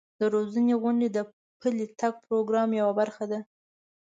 د روزنې غونډې د پلي تګ پروګرام یوه برخه ده.